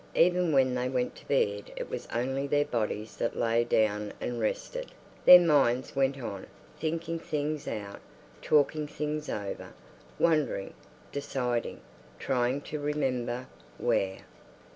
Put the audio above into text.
Even when they went to bed it was only their bodies that lay down and rested; their minds went on, thinking things out, talking things over, wondering, deciding, trying to remember where....